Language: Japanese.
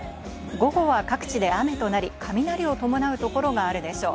午後は各地で雨となり、雷を伴う所があるでしょう。